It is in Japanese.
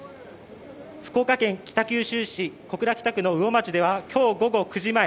福岡県北九州市小倉北区の魚町では今日午後９時前